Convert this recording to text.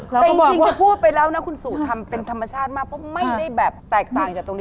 แต่จริงพอพูดไปแล้วนะคุณสู่ทำเป็นธรรมชาติมากเพราะไม่ได้แบบแตกต่างจากตรงนี้